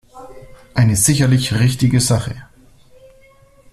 Eine sicherlich richtige Sache.